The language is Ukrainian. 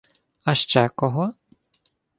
— А ще кого?